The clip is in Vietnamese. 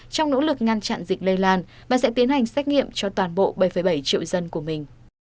trong nỗ lực ngăn chặn dịch lây lan và sẽ tiến hành xét nghiệm cho toàn bộ bảy bảy triệu dân của mình